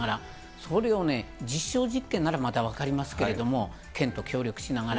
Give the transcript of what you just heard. それをね、実証実験ならまだ分かりますけれども、県と協力しながら。